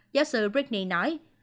giáo sư brickney nói